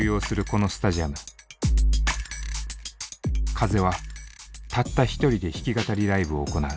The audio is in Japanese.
風はたった１人で弾き語りライブを行う。